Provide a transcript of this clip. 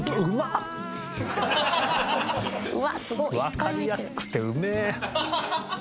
わかりやすくてうめえ！